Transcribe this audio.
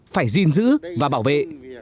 phải gìn giữ và bảo vệ